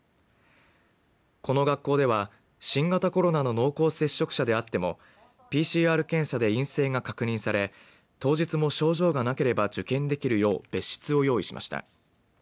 この学校では新型コロナの濃厚接触者であってもＰＣＲ検査で陰性が確認され当日も症状がなければ受験できるよう別室を用意しました。